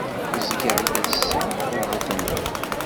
Ẓgeɣ-d ass-a taɣaṭ-nneɣ.